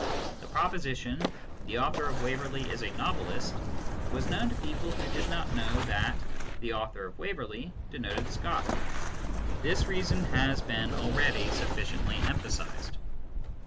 The proposition "the author of Waverley is a novelist " was known to people who did not know that " the author of Waverley " denoted Scott. This reason has been already sufficiently emphasised.